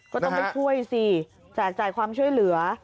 ก็ต้องไปช่วยสิแจกจ่ายความช่วยเหลือ